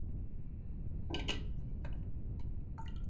东汉云台二十八将之一。